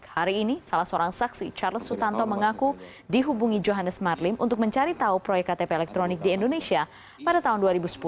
hari ini salah seorang saksi charles sutanto mengaku dihubungi johannes marlim untuk mencari tahu proyek ktp elektronik di indonesia pada tahun dua ribu sepuluh